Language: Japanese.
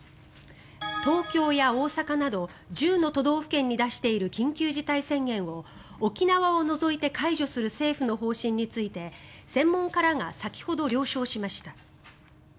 東京や大阪など１０の都道府県に出している緊急事態宣言を沖縄を除いて解除する政府の方針について専門家らが先ほど了承しました。